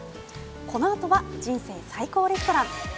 このあとは「人生最高レストラン」。